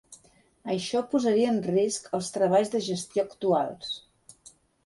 Això posaria en risc els treballs de gestió actuals.